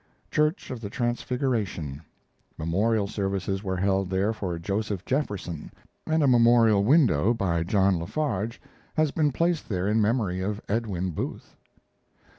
[Church of the Transfiguration. Memorial services were held there for Joseph Jefferson; and a memorial window, by John La Farge, has been placed there in memory of Edwin Booth.